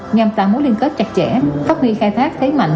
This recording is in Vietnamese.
nhằm tạo mối liên kết chặt chẽ phát huy khai thác thế mạnh